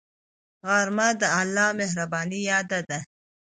غرمه د الله مهربانۍ یاد ده